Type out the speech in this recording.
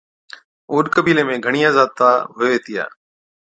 اوڏ قبيلي ۾ گھڻِيا ذاتا ھُوي ھِتيا